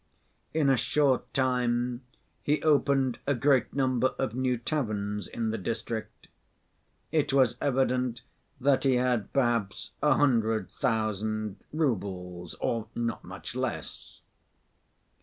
In a short time he opened a great number of new taverns in the district. It was evident that he had perhaps a hundred thousand roubles or not much less.